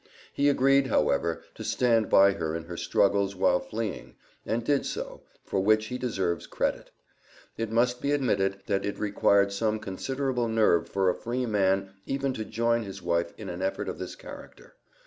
He agreed, however, to stand by her in her struggles while fleeing, and did so, for which he deserves credit. It must be admitted, that it required some considerable nerve for a free man even to join his wife in an effort of this character.